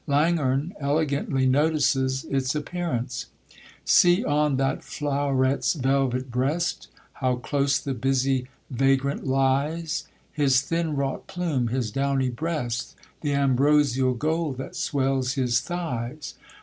Langhorne elegantly notices its appearance: See on that flow'ret's velvet breast, How close the busy vagrant lies! His thin wrought plume, his downy breast, The ambrosial gold that swells his thighs.